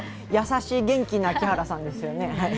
優しい元気な木原さんですよね。